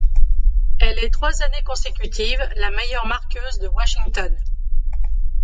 Elle est trois années consécutives la meilleure marqueuse de Washington.